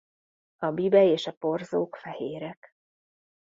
A bibe és a porzók fehérek.